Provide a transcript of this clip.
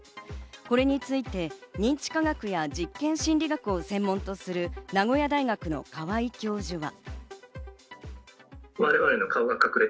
これについて認知科学や実験心理学を専門とする名古屋大学の川合教授は。